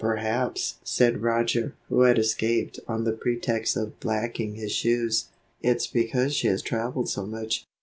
"Perhaps," said Roger, who had escaped on the pretext of blacking his shoes, "it's because she has traveled so much.